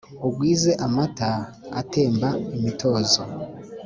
ugwize amata atemba imitozo